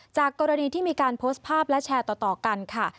จากกรณีที่มีการโพสต์ภาพและแชร์ต่อกันค่ะ